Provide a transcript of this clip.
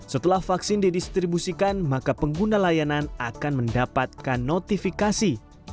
setelah vaksin didistribusikan maka pengguna layanan akan mendapatkan notifikasi